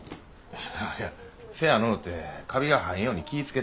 いやせやのうてカビが生えんように気ぃ付けたら。